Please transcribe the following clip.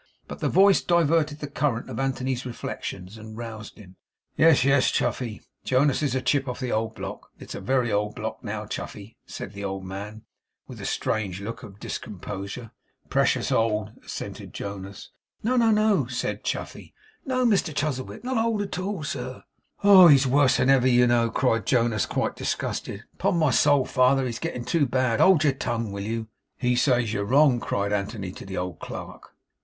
But the voice diverted the current of Anthony's reflections, and roused him. 'Yes, yes, Chuffey, Jonas is a chip of the old block. It is a very old block, now, Chuffey,' said the old man, with a strange look of discomposure. 'Precious old,' assented Jonas 'No, no, no,' said Chuffey. 'No, Mr Chuzzlewit. Not old at all, sir.' 'Oh! He's worse than ever, you know!' cried Jonas, quite disgusted. 'Upon my soul, father, he's getting too bad. Hold your tongue, will you?' 'He says you're wrong!' cried Anthony to the old clerk.